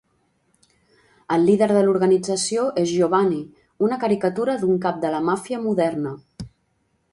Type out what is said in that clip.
El líder de l'organització és Giovanni, una caricatura d'un cap de la màfia moderna.